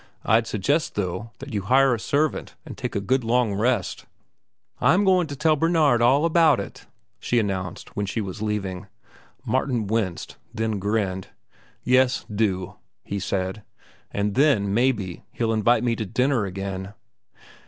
I'd suggest, though, that you hire a servant and take a good long rest." "I'm goin' to tell Bernard all about it," she announced, when she was leaving. Martin winced, then grinned. "Yes, do," he said. "And then, maybe, he'll invite me to dinner again."